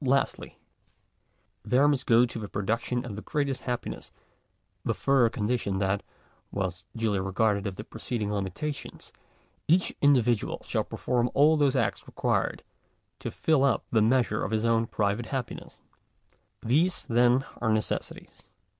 Lastly there must go to the production of the greatest happi ness the further condition, that, whilst duly regardful of the preceding limitations, each individual shall perform all those acts required to fill up the measure of his own private happi These then are necessities.